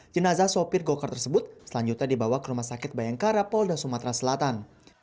jenazah sopir gokar tersebut selanjutnya dibawa ke rumah sakit bayangkara polda sumatera selatan